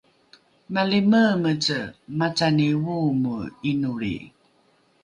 malimeemece macani oomoe ’inolri